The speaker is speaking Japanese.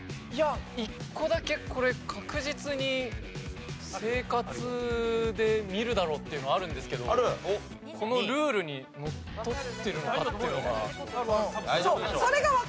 いや１個だけこれ確実に生活で見るだろっていうのあるんですけどこのルールにのっとってるのかっていうのが。